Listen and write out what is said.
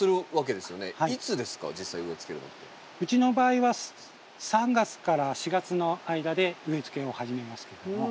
うちの場合は３月４月の間で植えつけを始めますけども。